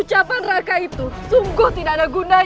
tapi orang itu sudah dihantar tadi